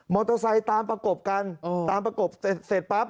เตอร์ไซค์ตามประกบกันตามประกบเสร็จปั๊บ